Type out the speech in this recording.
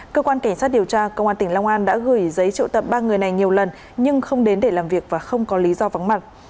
cơ quan cảnh sát điều tra công an tỉnh long an đã gửi giấy triệu tập ba người này nhiều lần nhưng không đến để làm việc và không có lý do vắng mặt